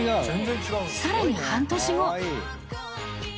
［さらに半年後］